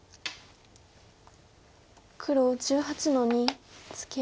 黒１８の二ツケ。